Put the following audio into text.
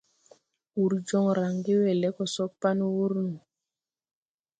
Wur jon range we le go so pan wur no.